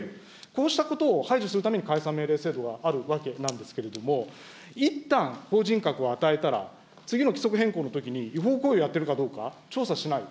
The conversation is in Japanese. こうしたことを排除するために解散命令制度があるわけなんですけれども、いったん法人格を与えたら、次の規則変更のときに違法行為やってるかどうか調査しない。